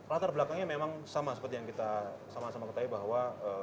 latar belakangnya memang sama seperti yang kita sama sama ketahui bahwa